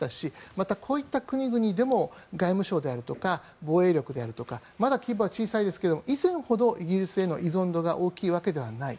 またこういった国々でも外務省とか防衛力であるとかまだ規模は小さいですが以前ほどイギリスへの依存度が大きいわけではない。